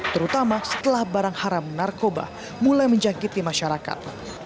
terutama setelah barang haram narkoba mulai menjangkiti masyarakat